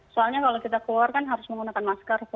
soalnya kalau kita keluar kan harus menggunakan masker